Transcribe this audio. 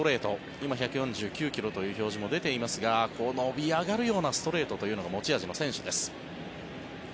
今、１４９ｋｍという表示も出ていますがこう、伸び上がるストレートが持ち味の選手です。